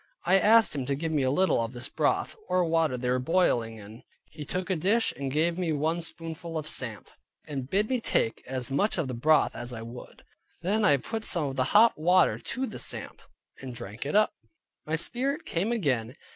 I asked him to give me a little of his broth, or water they were boiling in; he took a dish, and gave me one spoonful of samp, and bid me take as much of the broth as I would. Then I put some of the hot water to the samp, and drank it up, and my spirit came again.